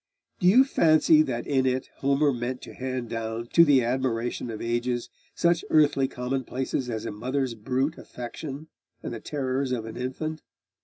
Do you fancy that in it Homer meant to hand down to the admiration of ages such earthly commonplaces as a mother's brute affection, and the terrors of an infant?